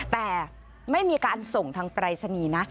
แต่ไม่มีการส่งทางปรายศนีย์นะ